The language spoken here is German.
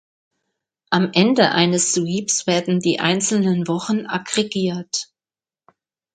Am Ende eines Sweeps werden die einzelnen Wochen aggregiert.